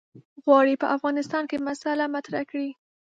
غواړي په افغانستان کې مسأله مطرح کړي.